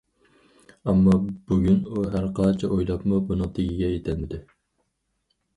ئەمما بۈگۈن.... ئۇ ھەرقانچە ئويلاپمۇ بۇنىڭ تېگىگە يېتەلمىدى.